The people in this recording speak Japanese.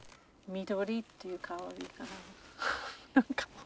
緑っていう香りが。